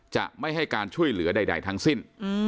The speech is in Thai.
จะไม่ให้การช่วยเหลือใดทั้งสิ้น